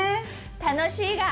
楽しいが。